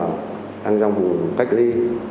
tức là đang trong vùng cách ly